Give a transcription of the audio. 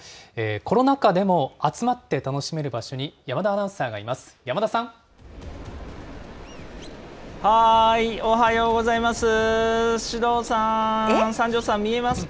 コロナ禍でも集まって楽しめる場所に山田アナウンサーがいます。